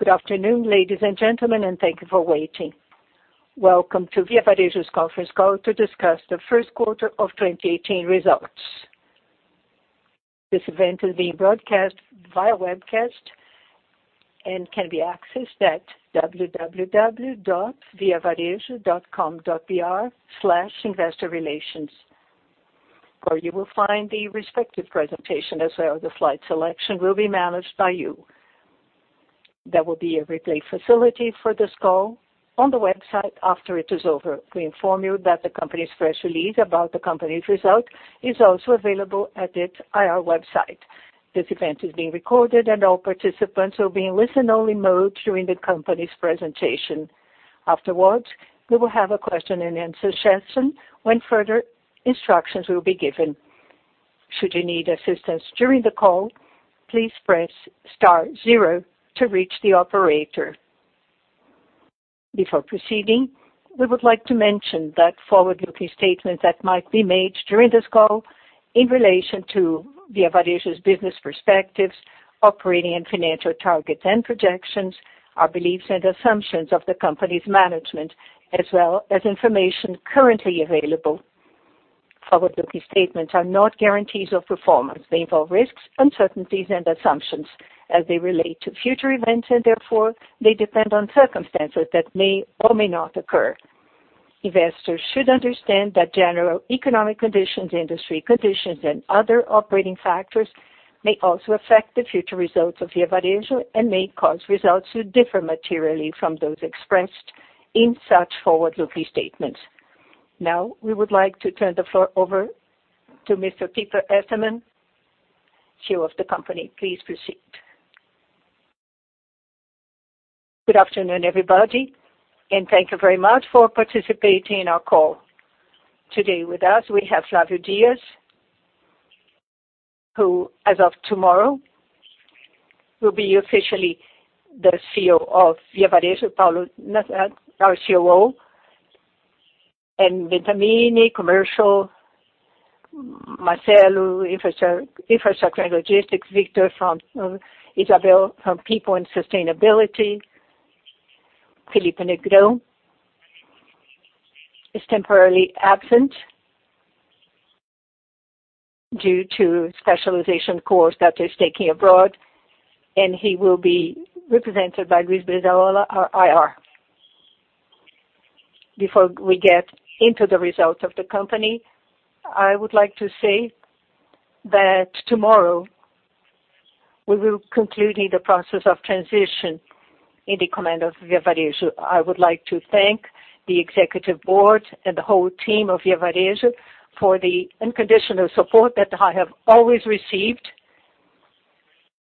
Good afternoon, ladies and gentlemen, and thank you for waiting. Welcome to Via Varejo's conference call to discuss the first quarter of 2018 results. This event is being broadcast via webcast and can be accessed at www.viavarejo.com.br/investorrelations, where you will find the respective presentation, as well the slide selection will be managed by you. There will be a replay facility for this call on the website after it is over. We inform you that the company's press release about the company's result is also available at its IR website. This event is being recorded, and all participants will be in listen-only mode during the company's presentation. Afterwards, we will have a question and answer session when further instructions will be given. Should you need assistance during the call, please press star zero to reach the operator. We would like to mention that forward-looking statements that might be made during this call in relation to Via Varejo's business perspectives, operating and financial targets and projections, our beliefs and assumptions of the company's management, as well as information currently available. Forward-looking statements are not guarantees of performance. They involve risks, uncertainties, and assumptions as they relate to future events, and therefore, they depend on circumstances that may or may not occur. Investors should understand that general economic conditions, industry conditions, and other operating factors may also affect the future results of Via Varejo and may cause results to differ materially from those expressed in such forward-looking statements. We would like to turn the floor over to Mr. Peter Estermann, CEO of the company. Please proceed. Good afternoon, everybody, and thank you very much for participating in our call. Today with us, we have Flavio Dias, who as of tomorrow, will be officially the CEO of Via Varejo, Paulo, our COO, and Venturini, commercial, Marcelo, infrastructure and logistics, Isabel from people and sustainability. Felipe Negrão is temporarily absent due to specialization course that he's taking abroad, and he will be represented by Luiz Berdallola, our IR. Before we get into the results of the company, I would like to say that tomorrow we will be concluding the process of transition in the command of Via Varejo. I would like to thank the executive board and the whole team of Via Varejo for the unconditional support that I have always received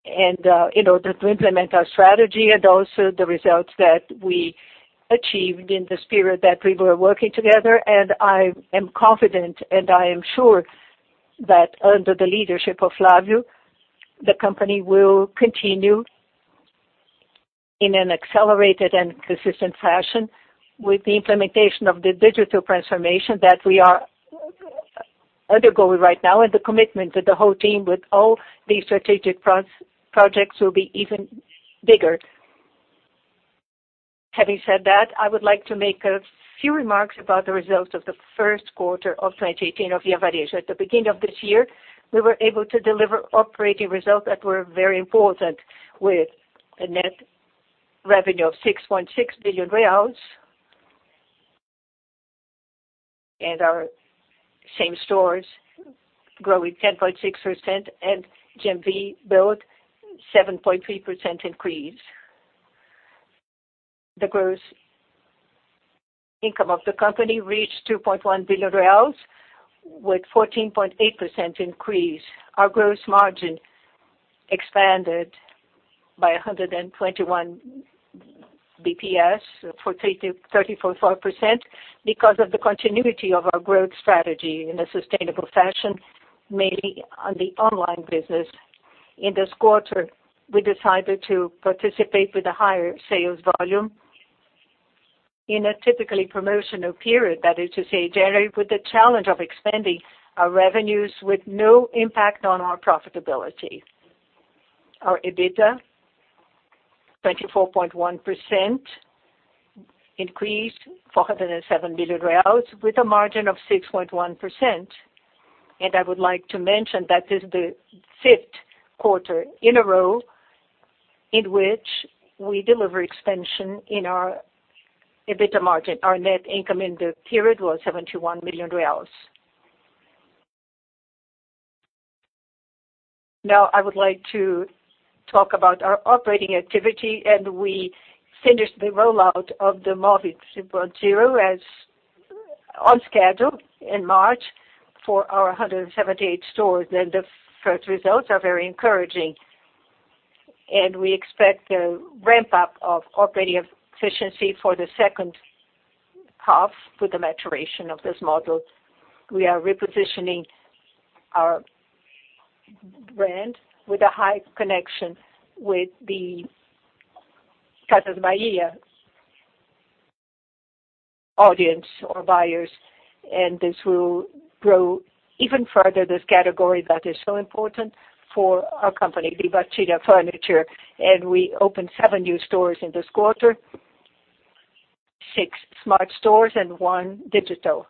in order to implement our strategy and also the results that we achieved in this period that we were working together. I am confident and I am sure that under the leadership of Flávio, the company will continue in an accelerated and consistent fashion with the implementation of the digital transformation that we are undergoing right now, and the commitment that the whole team with all these strategic projects will be even bigger. Having said that, I would like to make a few remarks about the results of the first quarter of 2018 of Via Varejo. At the beginning of this year, we were able to deliver operating results that were very important, with a net revenue of 6.6 billion reais, and our same stores growing 10.6%, and GMV built 7.3% increase. The gross income of the company reached 2.1 billion reais with 14.8% increase. Our gross margin expanded by 121 BPS, 34%, because of the continuity of our growth strategy in a sustainable fashion, mainly on the online business. In this quarter, we decided to participate with a higher sales volume in a typically promotional period. That is to say, January, with the challenge of expanding our revenues with no impact on our profitability. Our EBITDA, 24.1%, increased BRL 407 million with a margin of 6.1%. I would like to mention that this is the fifth quarter in a row in which we deliver expansion in our EBITDA margin. Our net income in the period was 71 million reais. I would like to talk about our operating activity. We finished the rollout of the Moviti 3.0 as on schedule in March for our 178 stores. The first results are very encouraging, and we expect a ramp-up of operating efficiency for the second half with the maturation of this model. We are repositioning our brand with a high connection with the Casas Bahia audience or buyers. This will grow even further, this category that is so important for our company, Venda Direta Furniture. We opened seven new stores in this quarter, six smart stores and one digital.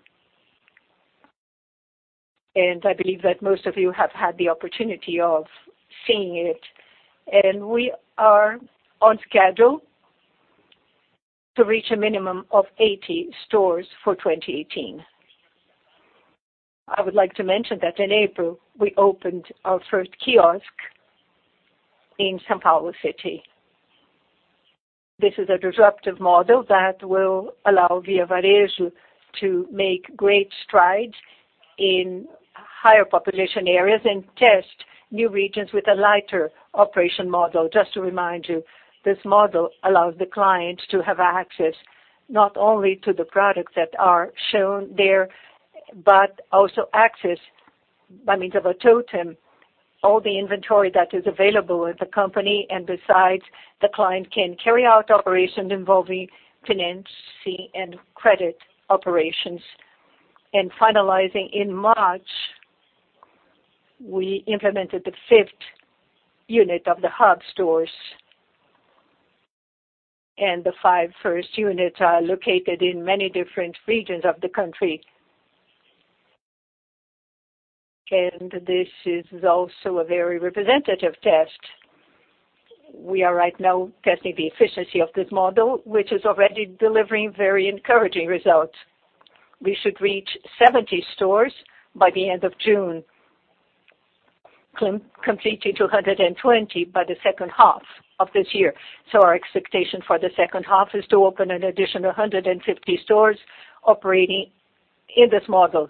I believe that most of you have had the opportunity of seeing it. We are on schedule to reach a minimum of 80 stores for 2018. I would like to mention that in April, we opened our first kiosk in São Paulo City. This is a disruptive model that will allow Via Varejo to make great strides in higher population areas and test new regions with a lighter operation model. Just to remind you, this model allows the client to have access not only to the products that are shown there, but also access, by means of a totem, all the inventory that is available with the company and besides, the client can carry out operations involving financing and credit operations. Finalizing, in March, we implemented the fifth unit of the hub stores. The five first units are located in many different regions of the country. This is also a very representative test. We are right now testing the efficiency of this model, which is already delivering very encouraging results. We should reach 70 stores by the end of June, completing 220 by the second half of this year. Our expectation for the second half is to open an additional 150 stores operating in this model.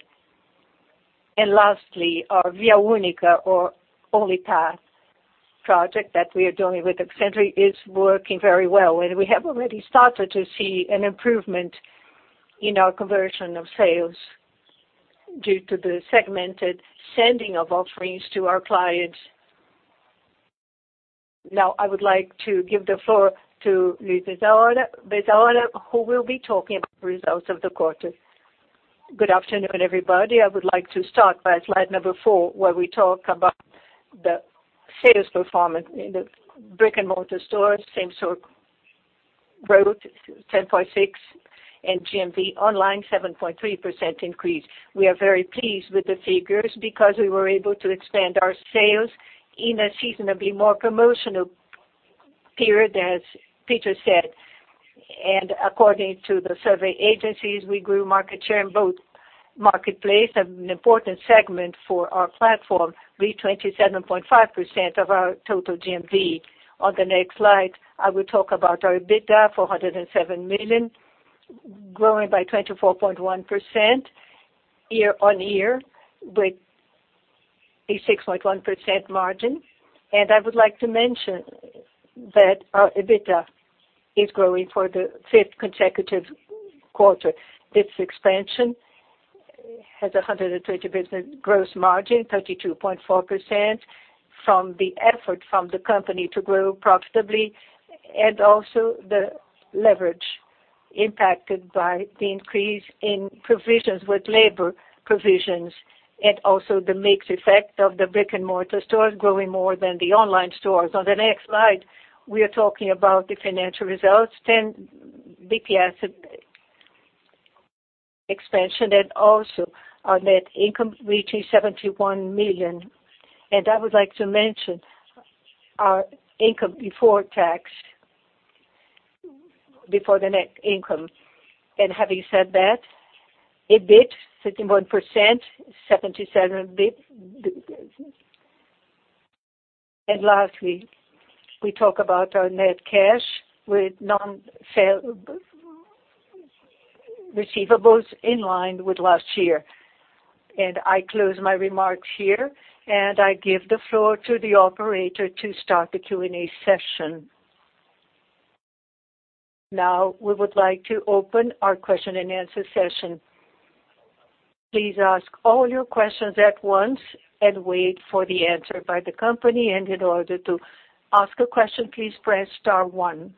Lastly, our Via Única or Only Path project that we are doing with Accenture is working very well. We have already started to see an improvement in our conversion of sales due to the segmented sending of offerings to our clients. I would like to give the floor to Luiz Dezora, who will be talking about the results of the quarter. Good afternoon, everybody. I would like to start by slide number four, where we talk about the sales performance in the brick-and-mortar stores. Same-store growth, 10.6%, and GMV online, 7.3% increase. We are very pleased with the figures, because we were able to expand our sales in a seasonably more promotional period, as Peter said. According to the survey agencies, we grew market share in both marketplace, an important segment for our platform, with 27.5% of our total GMV. On the next slide, I will talk about our EBITDA, 407 million, growing by 24.1% year-on-year with a 6.1% margin. I would like to mention that our EBITDA is growing for the fifth consecutive quarter. This expansion has 120 basis points gross margin, 32.4%, from the effort from the company to grow profitably, and also the leverage impacted by the increase in provisions with labor provisions, and also the mix effect of the brick-and-mortar stores growing more than the online stores. On the next slide, we are talking about the financial results, 10 basis points expansion, and also our net income reaching 71 million. I would like to mention our income before tax before the net income. Having said that, EBIT, 31%, 77 basis points. Lastly, we talk about our net cash with non-receivables in line with last year. I close my remarks here, and I give the floor to the operator to start the Q&A session. Now, we would like to open our question-and-answer session. Please ask all your questions at once and wait for the answer by the company. In order to ask a question, please press star one.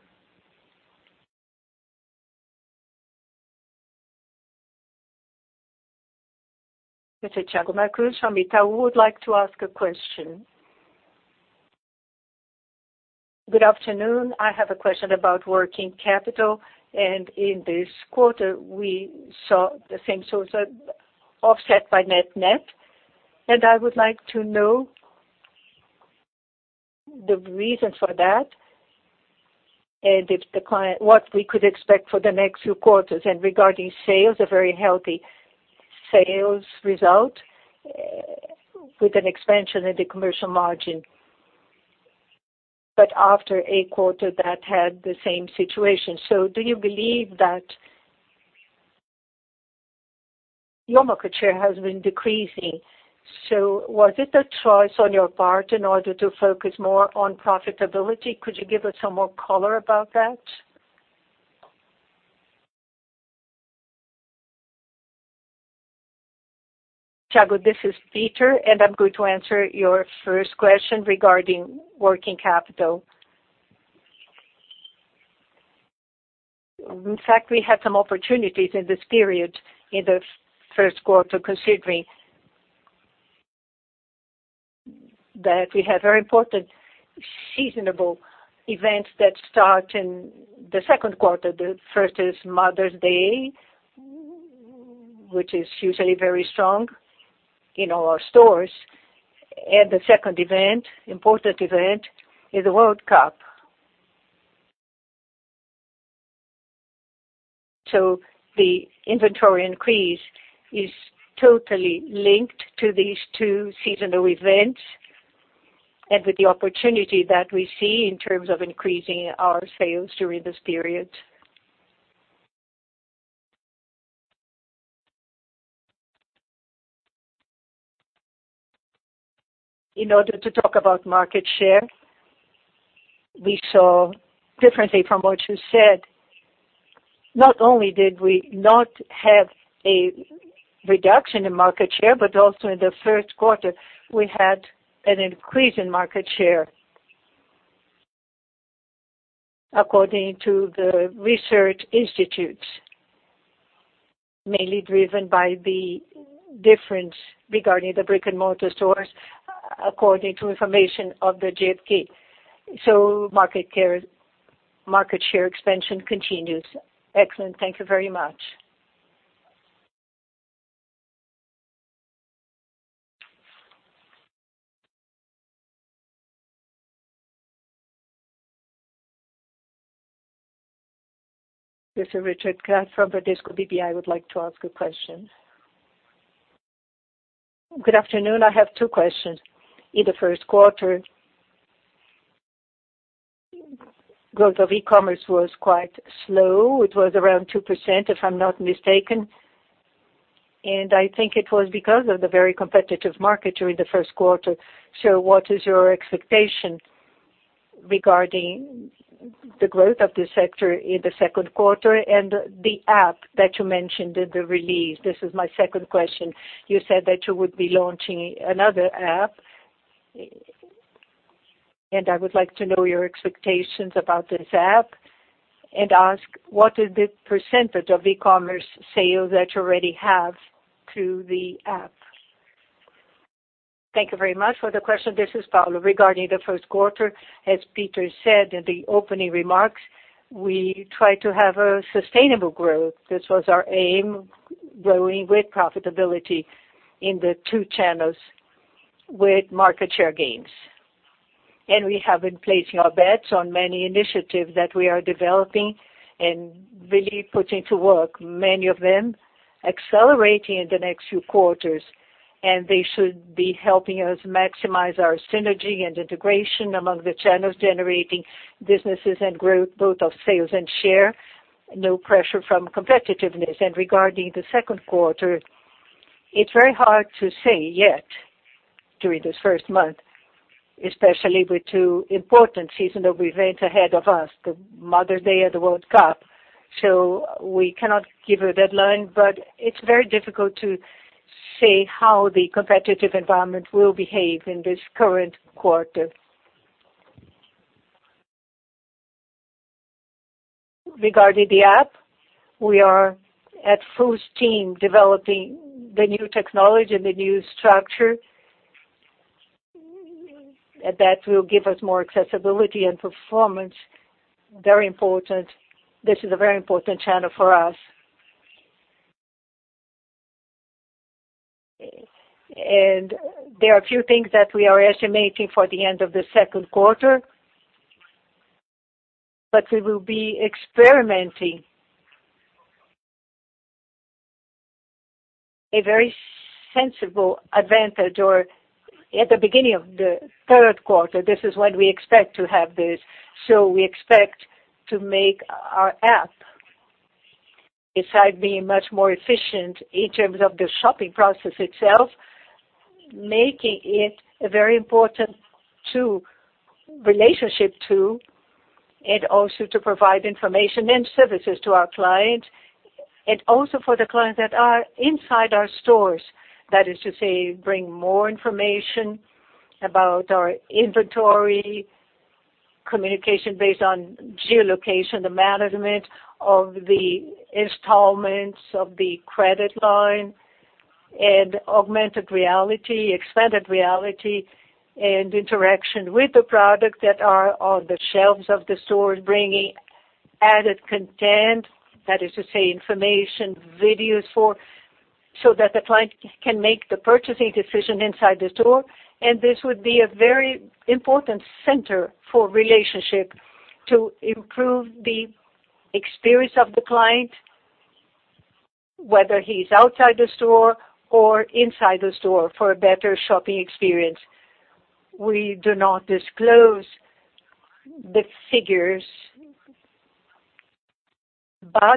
Mr. Thiago Macruz from Itaú BBA would like to ask a question. Good afternoon. I have a question about working capital. In this quarter, we saw the same stores are offset by net. I would like to know the reason for that, and what we could expect for the next few quarters. Regarding sales, a very healthy sales result with an expansion in the commercial margin, but after a quarter that had the same situation. Do you believe that your market share has been decreasing? Was it a choice on your part in order to focus more on profitability? Could you give us some more color about that? Thiago, this is Peter. I'm going to answer your first question regarding working capital. In fact, we had some opportunities in this period, in the first quarter, considering that we have very important seasonal events that start in the second quarter. The first is Mother's Day, which is usually very strong in our stores. The second important event is the World Cup. The inventory increase is totally linked to these two seasonal events and with the opportunity that we see in terms of increasing our sales during this period. In order to talk about market share, we saw differently from what you said, not only did we not have a reduction in market share, but also in the first quarter, we had an increase in market share according to the research institutes, mainly driven by the difference regarding the brick-and-mortar stores, according to information of the GfK. Market share expansion continues. Excellent. Thank you very much. This is Richard Cathcart from Bradesco BBI. I would like to ask a question. Good afternoon. I have two questions. In the first quarter, growth of e-commerce was quite slow. It was around 2%, if I'm not mistaken, and I think it was because of the very competitive market during the first quarter. What is your expectation regarding the growth of this sector in the second quarter? The app that you mentioned in the release. This is my second question. You said that you would be launching another app, and I would like to know your expectations about this app and ask, what is the percentage of e-commerce sales that you already have through the app? Thank you very much for the question. This is Paulo. Regarding the first quarter, as Peter said in the opening remarks, we try to have a sustainable growth. This was our aim, growing with profitability in the two channels with market share gains. We have been placing our bets on many initiatives that we are developing and really putting to work, many of them accelerating in the next few quarters. They should be helping us maximize our synergy and integration among the channels, generating businesses and growth both of sales and share. No pressure from competitiveness. Regarding the second quarter, it's very hard to say yet during this first month, especially with two important seasonal events ahead of us, Mother's Day and the World Cup. We cannot give a deadline, but it's very difficult to say how the competitive environment will behave in this current quarter. Regarding the app, we are at full steam developing the new technology and the new structure. That will give us more accessibility and performance. This is a very important channel for us. There are a few things that we are estimating for the end of the second quarter, but we will be experimenting a very sensible advantage or at the beginning of the third quarter. This is when we expect to have this. We expect to make our app, besides being much more efficient in terms of the shopping process itself, making it a very important relationship too, also to provide information and services to our clients, also for the clients that are inside our stores. That is to say, bring more information about our inventory, communication based on geolocation, the management of the installments of the credit line, augmented reality, extended reality, interaction with the product that are on the shelves of the stores, bringing added content. That is to say information, videos, so that the client can make the purchasing decision inside the store. This would be a very important center for relationship to improve the experience of the client, whether he's outside the store or inside the store, for a better shopping experience. We do not disclose the figures.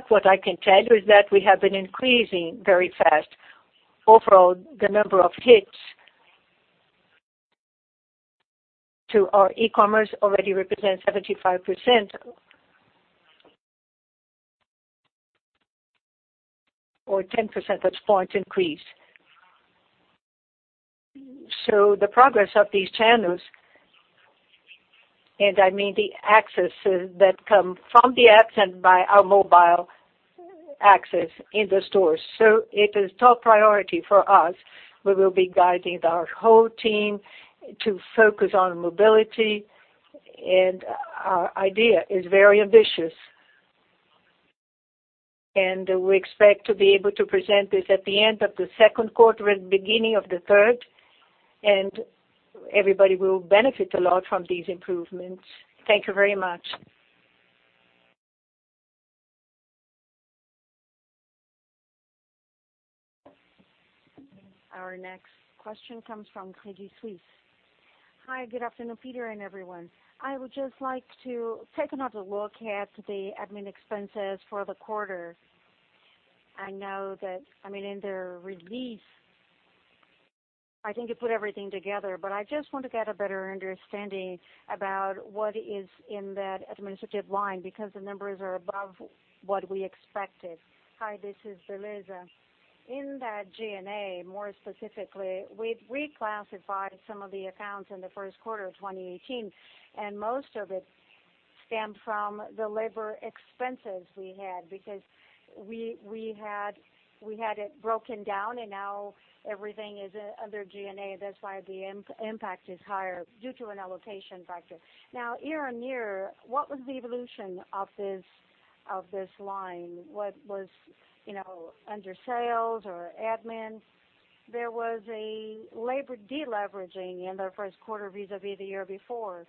What I can tell you is that we have been increasing very fast overall the number of hits Our e-commerce already represents 75% or 10% of points increase. I mean the accesses that come from the apps and by our mobile access in the stores. It is top priority for us. We will be guiding our whole team to focus on mobility, and our idea is very ambitious. We expect to be able to present this at the end of the second quarter and beginning of the third, and everybody will benefit a lot from these improvements. Thank you very much. Our next question comes from Credit Suisse. Hi, good afternoon, Peter, and everyone. I would just like to take another look at the admin expenses for the quarter. I know that, in the release, I think you put everything together, but I just want to get a better understanding about what is in that administrative line, because the numbers are above what we expected. Hi, this is Beriza. In that G&A, more specifically, we've reclassified some of the accounts in the first quarter of 2018, and most of it stemmed from the labor expenses we had because we had it broken down, and now everything is under G&A. That's why the impact is higher due to an allocation factor. Year-on-year, what was the evolution of this line? What was under sales or admin? There was a labor de-leveraging in the first quarter vis-à-vis the year before.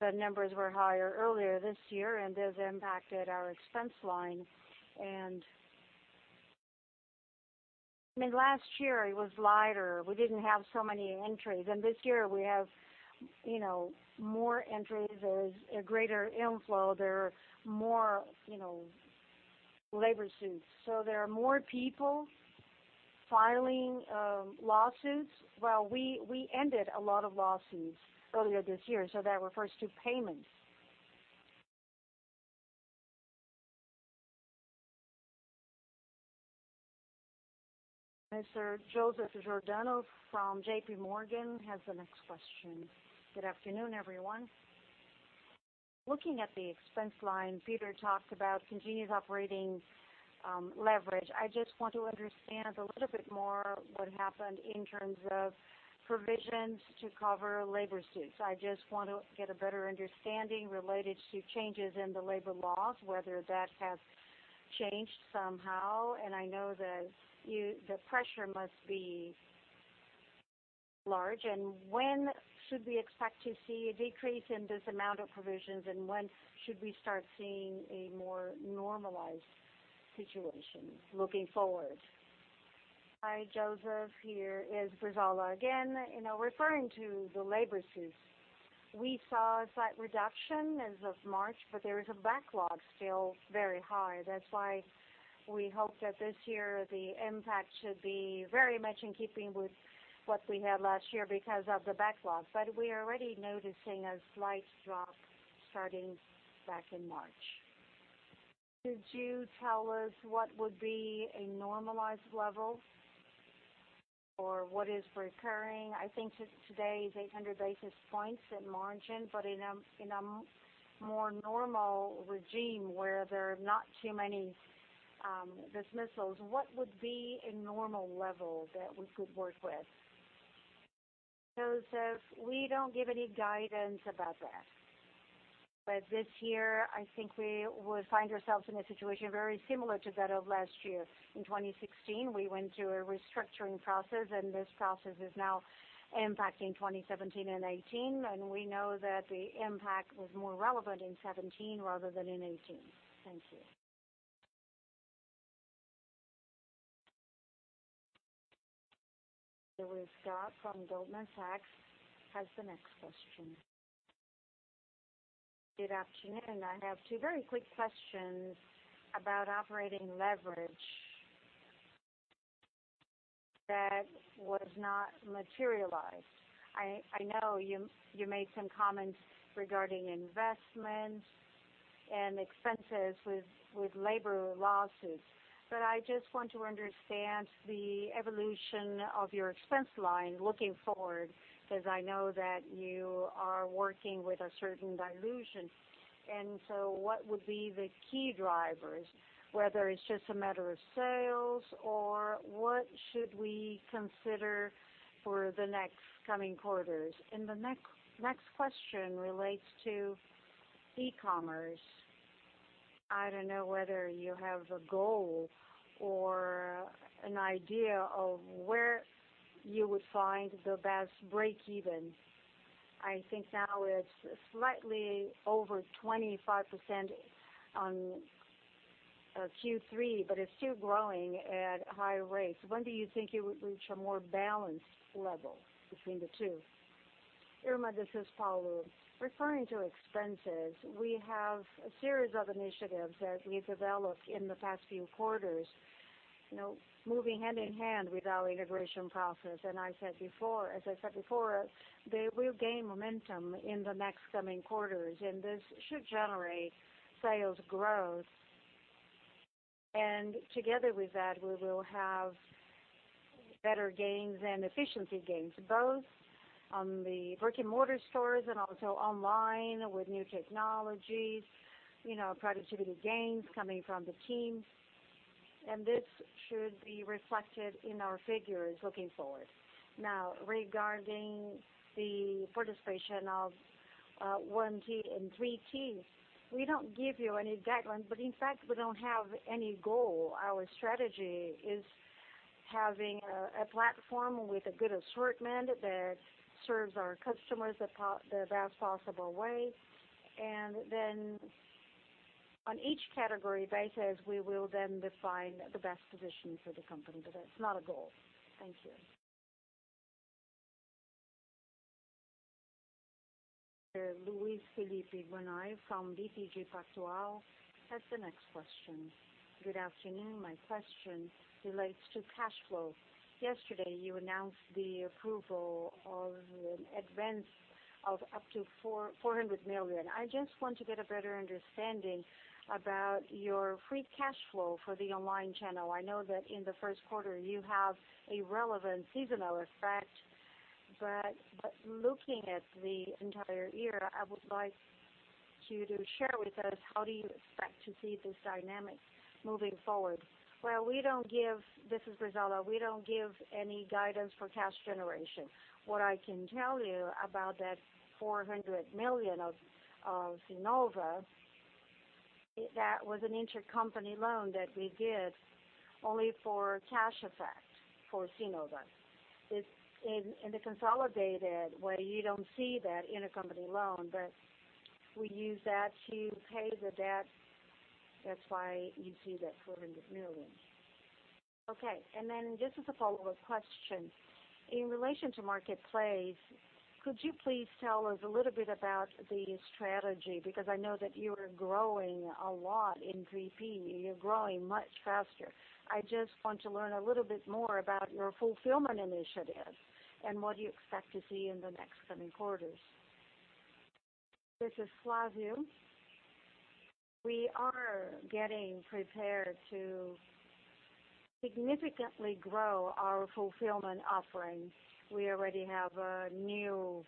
The numbers were higher earlier this year, and this impacted our expense line. Last year, it was lighter. We didn't have so many entries. This year we have more entries. There's a greater inflow. There are more labor suits. Are there more people filing lawsuits? We ended a lot of lawsuits earlier this year, so that refers to payments. Mr. Joseph Giordano from J.P. Morgan has the next question. Good afternoon, everyone. Looking at the expense line, Peter talked about continuous operating leverage. I just want to understand a little bit more what happened in terms of provisions to cover labor suits. I just want to get a better understanding related to changes in the labor laws, whether that has changed somehow. I know that the pressure must be large. When should we expect to see a decrease in this amount of provisions, and when should we start seeing a more normalized situation looking forward? Hi, Joseph. Here is Beriza again. Referring to the labor suits, we saw a slight reduction as of March, but there is a backlog still very high. That's why we hope that this year the impact should be very much in keeping with what we had last year because of the backlog. We are already noticing a slight drop starting back in March. Could you tell us what would be a normalized level or what is recurring? I think today is 800 basis points in margin, but in a more normal regime where there are not too many dismissals, what would be a normal level that we could work with? Joseph, we don't give any guidance about that. This year, I think we will find ourselves in a situation very similar to that of last year. In 2016, we went through a restructuring process. This process is now impacting 2017 and 2018. We know that the impact was more relevant in 2017 rather than in 2018. Thank you. Irma Sgarz from Goldman Sachs has the next question. Good afternoon. I have two very quick questions about operating leverage that was not materialized. I know you made some comments regarding investment and expenses with labor lawsuits. I just want to understand the evolution of your expense line looking forward, because I know that you are working with a certain dilution. What would be the key drivers, whether it's just a matter of sales or what should we consider for the next coming quarters? The next question relates to e-commerce. I don't know whether you have a goal or an idea of where you would find the best breakeven. I think now it's slightly over 25% on Q3. It's still growing at high rates. When do you think it would reach a more balanced level between the two? Irma, this is Paulo. Referring to expenses, we have a series of initiatives that we developed in the past few quarters moving hand in hand with our integration process. As I said before, they will gain momentum in the next coming quarters. This should generate sales growth. Together with that, we will have better gains and efficiency gains, both on the brick-and-mortar stores and also online with new technologies, productivity gains coming from the team. This should be reflected in our figures looking forward. Now, regarding the participation of 1P and 3P, we don't give you any guidelines. In fact, we don't have any goal. Our strategy is having a platform with a good assortment that serves our customers the best possible way. On each category basis, we will then define the best position for the company. That's not a goal. Thank you. Luis Felipe Guanais from BTG Pactual has the next question. Good afternoon. My question relates to cash flow. Yesterday, you announced the approval of an advance of up to 400 million. I just want to get a better understanding about your free cash flow for the online channel. I know that in the first quarter you have a relevant seasonal effect. Looking at the entire year, I would like you to share with us, how do you expect to see this dynamic moving forward? Well, this is Graciela. We don't give any guidance for cash generation. What I can tell you about that 400 million of Cnova, that was an intercompany loan that we did only for cash effect for Cnova. In the consolidated way, you don't see that intercompany loan. We use that to pay the debt. That's why you see that 400 million. Okay. Just as a follow-up question, in relation to marketplace, could you please tell us a little bit about the strategy? I know that you are growing a lot in 3P. You're growing much faster. I just want to learn a little bit more about your fulfillment initiative and what you expect to see in the next coming quarters. This is Flávio. We are getting prepared to significantly grow our fulfillment offerings. We already have a new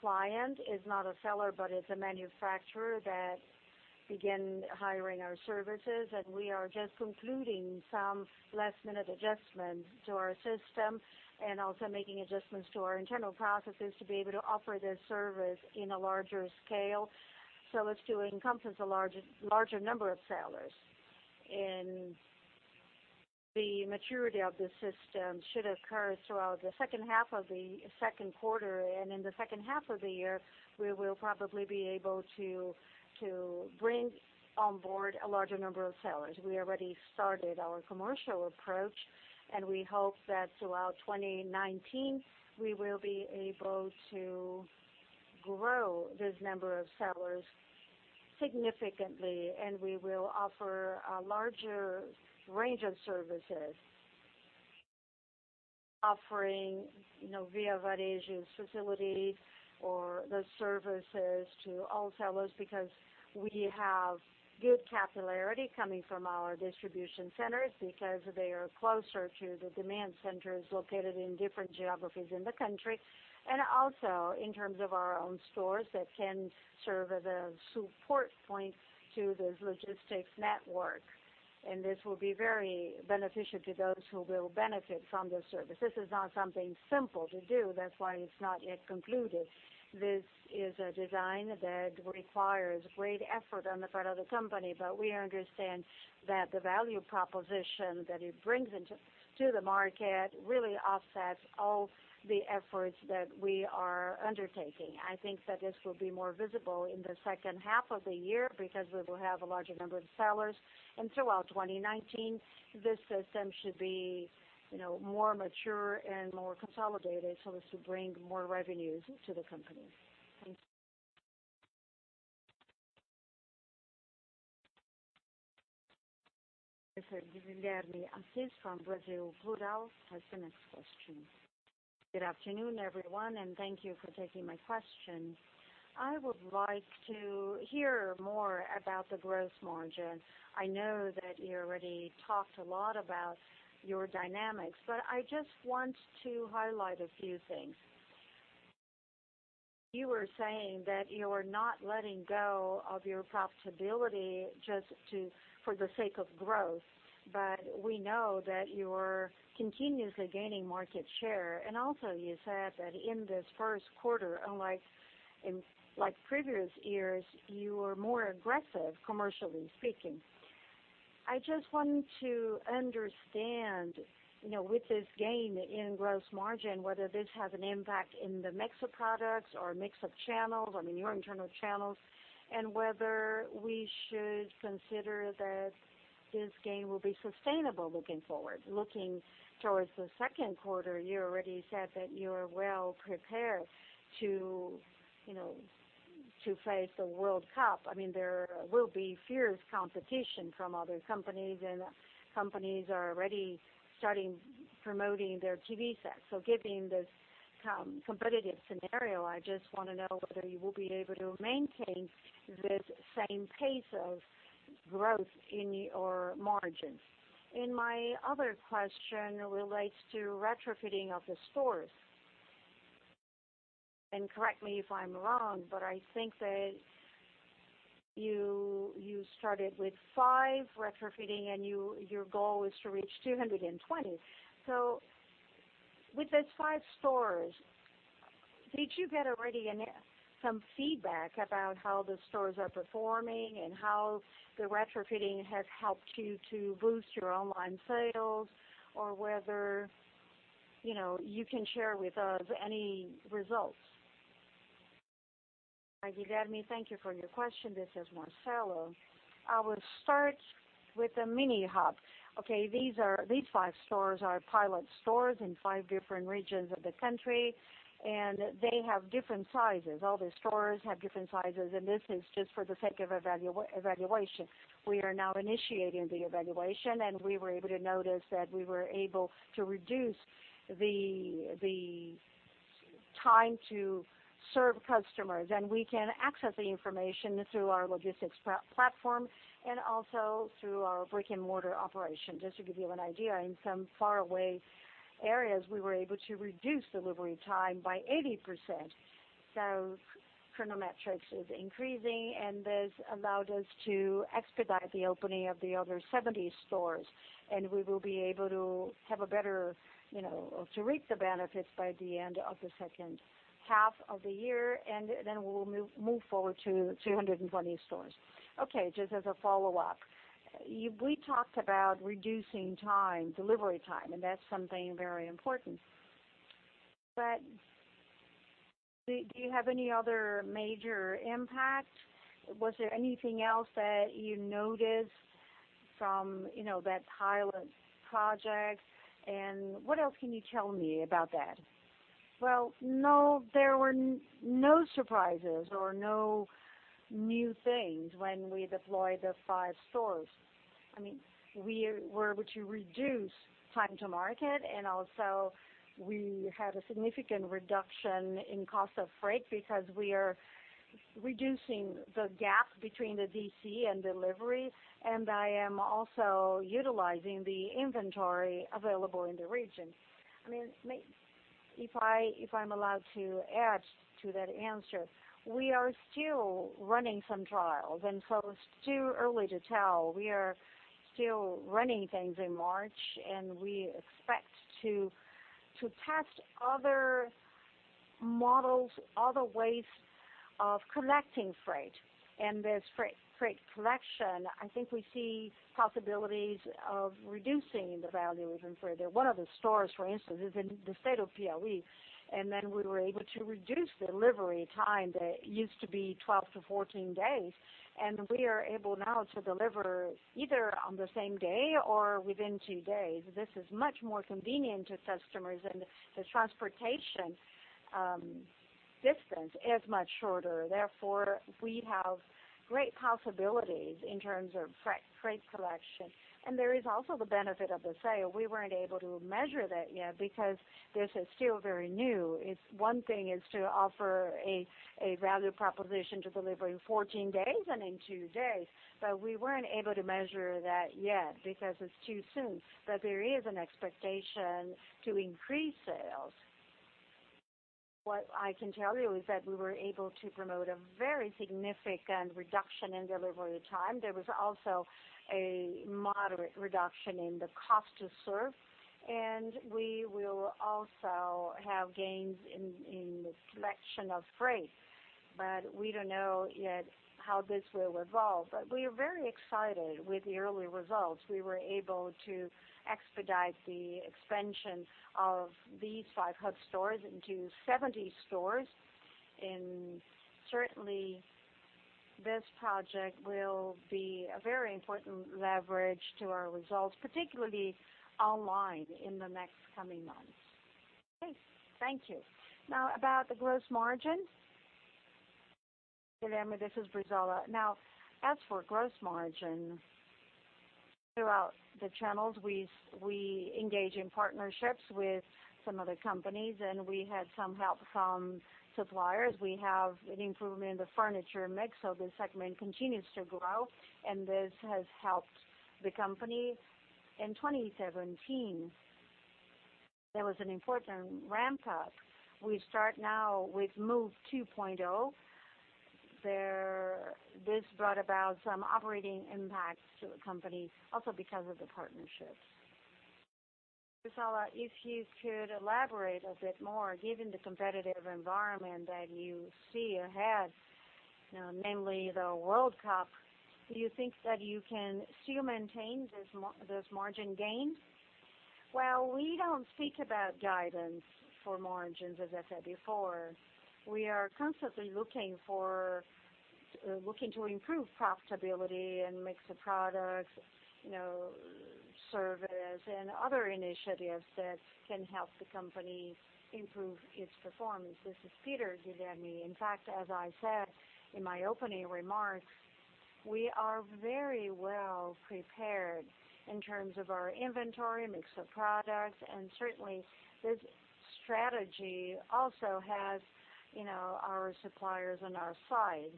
client. It is not a seller, but it is a manufacturer that began hiring our services, and we are just concluding some last-minute adjustments to our system, and also making adjustments to our internal processes to be able to offer this service in a larger scale, so as to encompass a larger number of sellers. The maturity of the system should occur throughout the second half of the second quarter. In the second half of the year, we will probably be able to bring on board a larger number of sellers. We already started our commercial approach, and we hope that throughout 2019, we will be able to grow this number of sellers significantly, and we will offer a larger range of services. Offering Via Varejo's facility or the services to all sellers because we have good capillarity coming from our distribution centers because they are closer to the demand centers located in different geographies in the country. Also in terms of our own stores that can serve as a support point to this logistics network. This will be very beneficial to those who will benefit from this service. This is not something simple to do, that's why it is not yet concluded. This is a design that requires great effort on the part of the company, but we understand that the value proposition that it brings to the market really offsets all the efforts that we are undertaking. I think that this will be more visible in the second half of the year because we will have a larger number of sellers. Throughout 2019, this system should be more mature and more consolidated so as to bring more revenues to the company. Thank you. Guilherme Asseff from Brasil Plural has the next question. Good afternoon, everyone, and thank you for taking my question. I would like to hear more about the gross margin. I know that you already talked a lot about your dynamics, but I just want to highlight a few things. You were saying that you are not letting go of your profitability just for the sake of growth, but we know that you are continuously gaining market share. Also, you said that in this first quarter, unlike previous years, you were more aggressive, commercially speaking. I just want to understand, with this gain in gross margin, whether this has an impact in the mix of products or mix of channels, I mean, your internal channels, and whether we should consider that this gain will be sustainable looking forward. Looking towards the second quarter, you already said that you are well prepared to face the World Cup. There will be fierce competition from other companies, and companies are already starting promoting their TV sets. Given this competitive scenario. I just want to know whether you will be able to maintain this same pace of growth in your margins. My other question relates to retrofitting of the stores. Correct me if I am wrong, but I think that you started with five retrofitting, and your goal is to reach 220. With those five stores, did you get already some feedback about how the stores are performing and how the retrofitting has helped you to boost your online sales? Whether you can share with us any results? Hi, Guilherme. Thank you for your question. This is Marcelo. I will start with the mini hub. These five stores are pilot stores in five different regions of the country, and they have different sizes. All the stores have different sizes, and this is just for the sake of evaluation. We are now initiating the evaluation, and we were able to notice that we were able to reduce the time to serve customers. We can access the information through our logistics platform and also through our brick-and-mortar operation. Just to give you an idea, in some faraway areas, we were able to reduce delivery time by 80%. Chronometrics is increasing, and this allowed us to expedite the opening of the other 70 stores. We will be able to reap the benefits by the end of the second half of the year, and we will move forward to 220 stores. Just as a follow-up. We talked about reducing delivery time, and that's something very important. Do you have any other major impact? Was there anything else that you noticed from that pilot project? What else can you tell me about that? Well, no. There were no surprises or no new things when we deployed the five stores. We were able to reduce time to market, and also we had a significant reduction in cost of freight because we are reducing the gap between the DC and delivery. I am also utilizing the inventory available in the region. If I'm allowed to add to that answer, we are still running some trials, it's too early to tell. We are still running things in March, and we expect to test other models, other ways of collecting freight. This freight collection, I think we see possibilities of reducing the value even further. One of the stores, for instance, is in the state of Piauí, we were able to reduce delivery time that used to be 12-14 days. We are able now to deliver either on the same day or within two days. This is much more convenient to customers, and the transportation distance is much shorter. Therefore, we have great possibilities in terms of freight collection. There is also the benefit of the sale. We weren't able to measure that yet because this is still very new. One thing is to offer a value proposition to deliver in 14 days and in two days, we weren't able to measure that yet because it's too soon. There is an expectation to increase sales. What I can tell you is that we were able to promote a very significant reduction in delivery time. There was also a moderate reduction in the cost to serve, we will also have gains in the collection of freight. We don't know yet how this will evolve. We are very excited with the early results. We were able to expedite the expansion of these five hub stores into 70 stores. Certainly, this project will be a very important leverage to our results, particularly online in the next coming months. Thank you. Now, about the gross margin. Guilherme, this is Brissola. As for gross margin, throughout the channels, we engage in partnerships with some other companies, and we had some help from suppliers. We have an improvement in the furniture mix, so the segment continues to grow, and this has helped the company. In 2017, there was an important ramp-up. We start now with Move 2.0. This brought about some operating impacts to the company also because of the partnerships. Brissola, if you could elaborate a bit more, given the competitive environment that you see ahead, namely the World Cup, do you think that you can still maintain this margin gain? We don't speak about guidance for margins, as I said before. We are constantly looking to improve profitability and mix of products, service, and other initiatives that can help the company improve its performance. This is Peter, Guilherme. In fact, as I said in my opening remarks, we are very well prepared in terms of our inventory, mix of products, and certainly this strategy also has our suppliers on our side,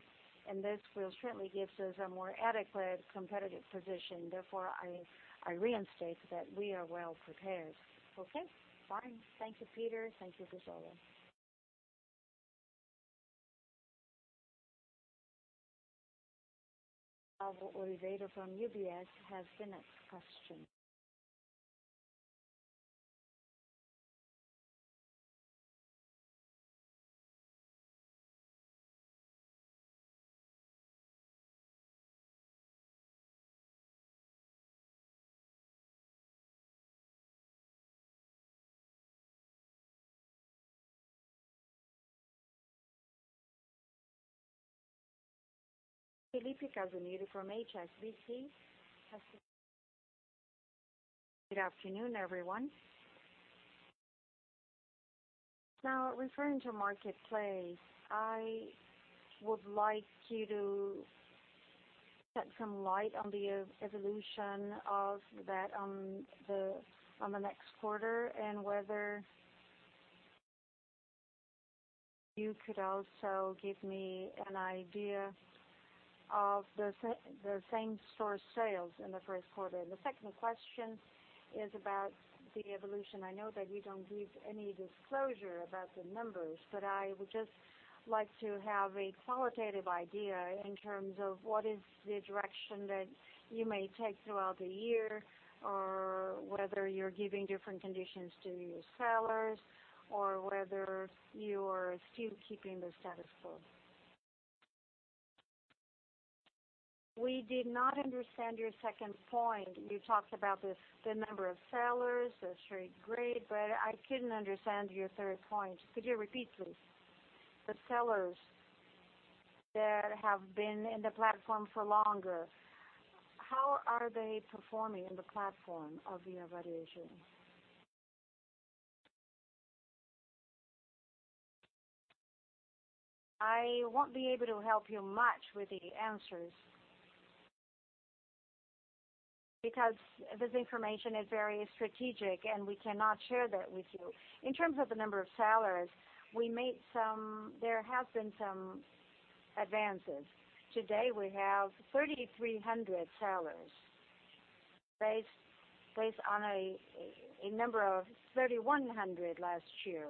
and this will certainly give us a more adequate competitive position. I reinstate that we are well prepared. Okay, fine. Thank you, Peter. Thank you, Brissola. Paulo Oliveira from UBS has the next question. Felipe Casimiro from HSBC has the next question. Good afternoon, everyone. Referring to Marketplace, I would like you to shed some light on the evolution of that on the next quarter, and whether you could also give me an idea of the same-store sales in the first quarter. The second question is about the evolution. I know that you don't give any disclosure about the numbers, but I would just like to have a qualitative idea in terms of what is the direction that you may take throughout the year, or whether you're giving different conditions to your sellers, or whether you're still keeping the status quo. We did not understand your second point. You talked about the number of sellers, the trade grade, but I couldn't understand your third point. Could you repeat, please? The sellers that have been in the platform for longer, how are they performing in the platform of Via Varejo? I won't be able to help you much with the answers, because this information is very strategic, and we cannot share that with you. In terms of the number of sellers, there have been some advances. Today, we have 3,300 sellers, based on a number of 3,100 last year.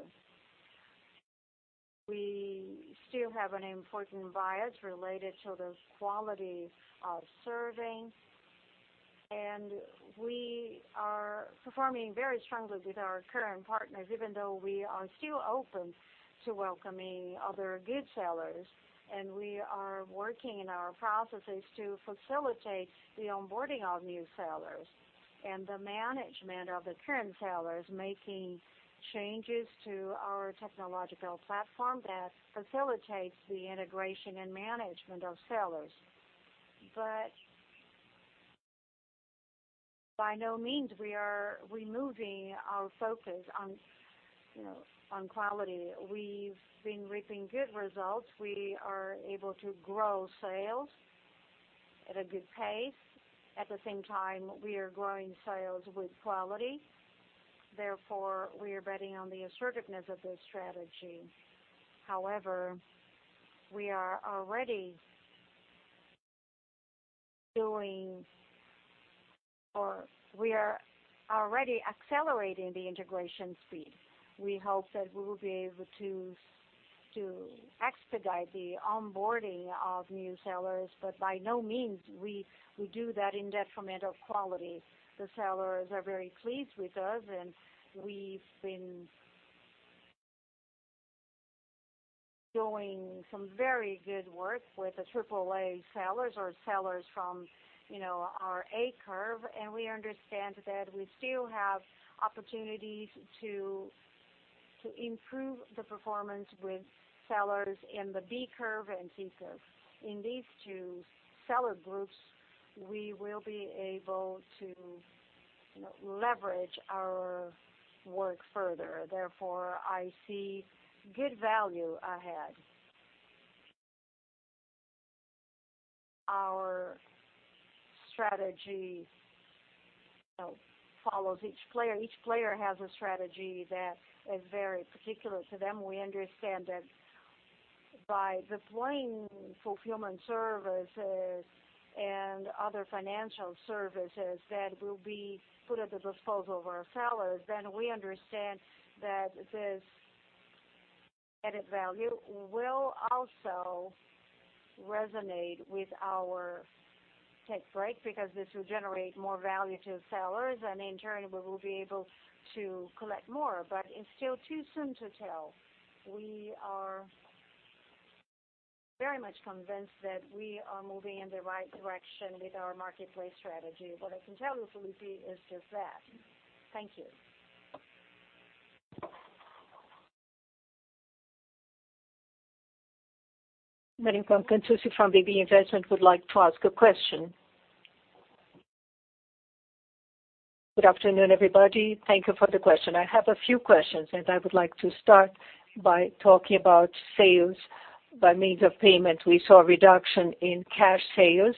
We still have an important bias related to the quality of serving, and we are performing very strongly with our current partners, even though we are still open to welcoming other good sellers. We are working in our processes to facilitate the onboarding of new sellers and the management of the current sellers, making changes to our technological platform that facilitates the integration and management of sellers. By no means we are removing our focus on quality. We've been reaping good results. We are able to grow sales at a good pace. At the same time, we are growing sales with quality. We are betting on the assertiveness of this strategy. We are already accelerating the integration speed. We hope that we will be able to expedite the onboarding of new sellers, but by no means we do that in detriment of quality. The sellers are very pleased with us, and we've been doing some very good work with the triple A sellers or sellers from our A curve. We understand that we still have opportunities to improve the performance with sellers in the B curve and C curve. In these two seller groups, we will be able to leverage our work further. I see good value ahead. Our strategy follows each player. Each player has a strategy that is very particular to them. We understand that by deploying fulfillment services and other financial services that will be put at the disposal of our sellers, then we understand that this added value will also resonate with our take rate, because this will generate more value to the sellers, and in turn, we will be able to collect more. It's still too soon to tell. We are very much convinced that we are moving in the right direction with our marketplace strategy. What I can tell you, Felipe, is just that. Thank you. Maria Francisca from BB Investimentos would like to ask a question. Good afternoon, everybody. Thank you for the question. I have a few questions. I would like to start by talking about sales by means of payment. We saw a reduction in cash sales.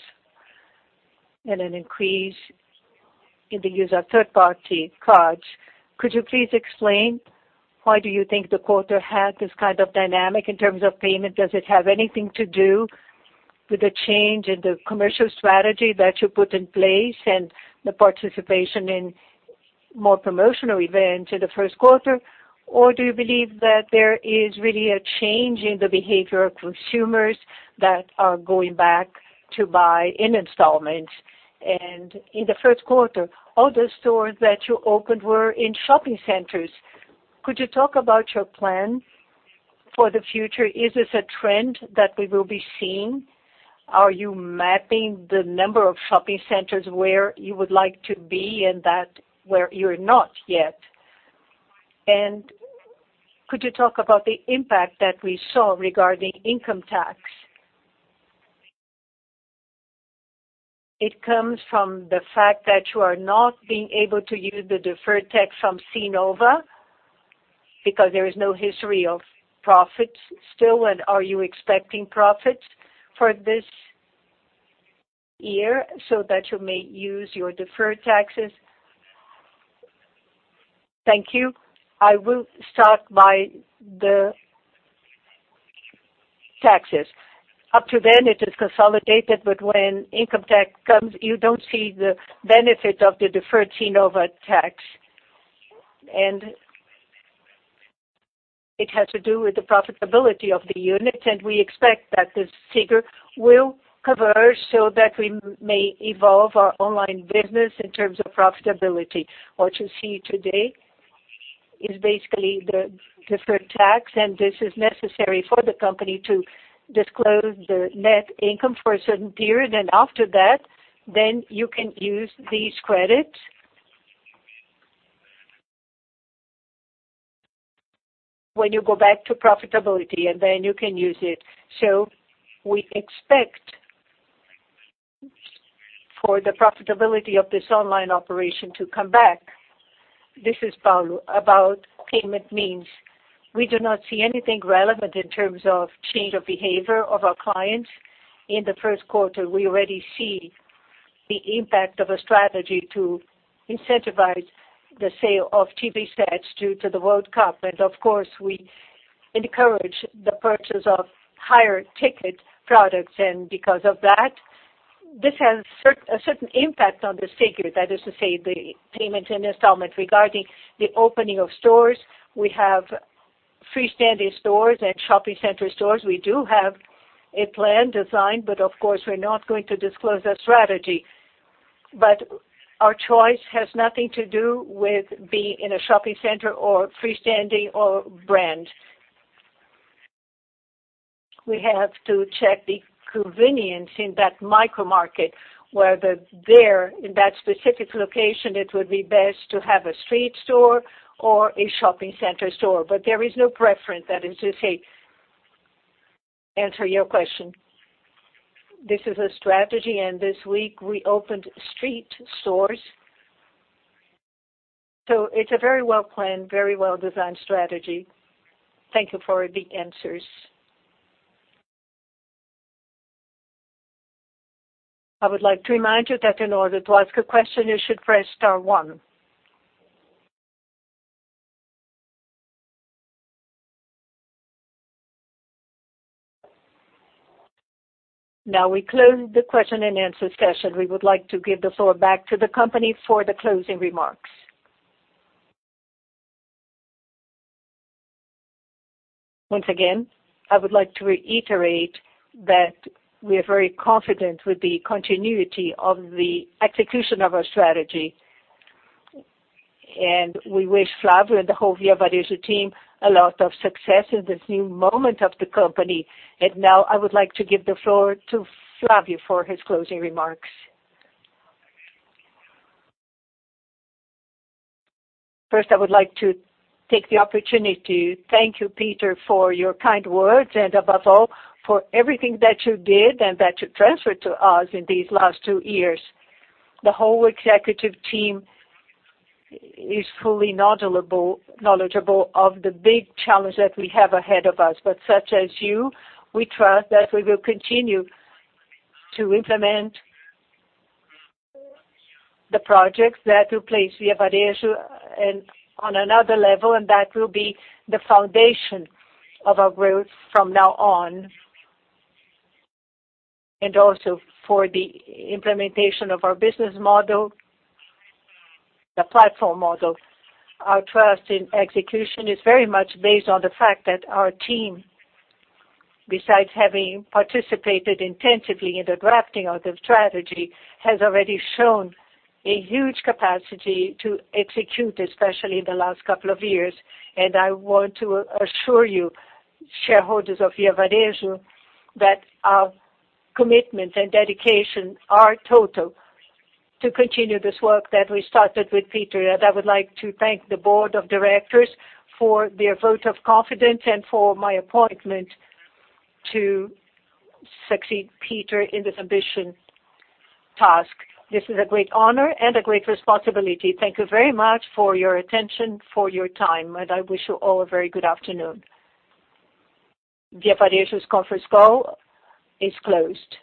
An increase in the use of third-party cards. Could you please explain why you think the quarter had this kind of dynamic in terms of payment? Does it have anything to do with the change in the commercial strategy that you put in place and the participation in more promotional events in the first quarter? Do you believe that there is really a change in the behavior of consumers that are going back to buy in installments? In the first quarter, all the stores that you opened were in shopping centers. Could you talk about your plan for the future? Is this a trend that we will be seeing? Are you mapping the number of shopping centers where you would like to be, and that where you're not yet? Could you talk about the impact that we saw regarding income tax? It comes from the fact that you are not being able to use the deferred tax from Cnova because there is no history of profits still. Are you expecting profits for this year so that you may use your deferred taxes? Thank you. I will start by the taxes. Up to then it is consolidated. When income tax comes, you don't see the benefit of the deferred Cnova tax. It has to do with the profitability of the unit. We expect that this figure will converge so that we may evolve our online business in terms of profitability. What you see today is basically the deferred tax. This is necessary for the company to disclose the net income for a certain period. After that, you can use these credits. When you go back to profitability, then you can use it. We expect for the profitability of this online operation to come back. This is Paulo. About payment means. We do not see anything relevant in terms of change of behavior of our clients. In the first quarter, we already see the impact of a strategy to incentivize the sale of TV sets due to the World Cup. Of course, we encourage the purchase of higher-ticket products. Because of that, this has a certain impact on this figure. That is to say, the payment in installment. Regarding the opening of stores, we have freestanding stores and shopping center stores. We do have a plan designed. Of course, we're not going to disclose that strategy. Our choice has nothing to do with being in a shopping center or freestanding or brand. We have to check the convenience in that micro-market, whether there in that specific location, it would be best to have a street store or a shopping center store. There is no preference, that is to say, answer your question. This is a strategy. This week we opened street stores. It's a very well-planned, very well-designed strategy. Thank you for the answers. I would like to remind you that in order to ask a question, you should press star one. Now we close the question-and-answer session. We would like to give the floor back to the company for the closing remarks. Once again, I would like to reiterate that we are very confident with the continuity of the execution of our strategy. We wish Flávio and the whole Via Varejo team a lot of success in this new moment of the company. Now I would like to give the floor to Flávio for his closing remarks. First, I would like to take the opportunity to thank you, Peter, for your kind words and above all, for everything that you did and that you transferred to us in these last two years. The whole executive team is fully knowledgeable of the big challenge that we have ahead of us. Such as you, we trust that we will continue to implement the projects that will place Via Varejo on another level, and that will be the foundation of our growth from now on. Also for the implementation of our business model, the platform model. Our trust in execution is very much based on the fact that our team, besides having participated intensively in the drafting of the strategy, has already shown a huge capacity to execute, especially in the last couple of years. I want to assure you, shareholders of Via Varejo, that our commitment and dedication are total to continue this work that we started with Peter. I would like to thank the board of directors for their vote of confidence and for my appointment to succeed Peter in this ambitious task. This is a great honor and a great responsibility. Thank you very much for your attention, for your time, and I wish you all a very good afternoon. Via Varejo's conference call is closed.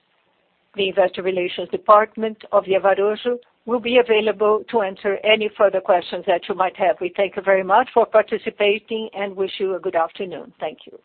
The Investor Relations department of Via Varejo will be available to answer any further questions that you might have. We thank you very much for participating and wish you a good afternoon. Thank you.